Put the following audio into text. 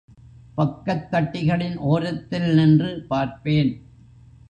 பக்கத் தட்டிகளின் ஒரத்தில் நின்று பார்ப்பேன்.